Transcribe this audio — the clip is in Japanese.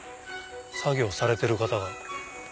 作業されてる方が。